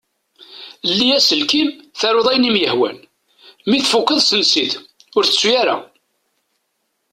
Lli aselkim taruḍ ayen i m-ihwan. Mi tfukeḍ sens-it. Ur tettu ara!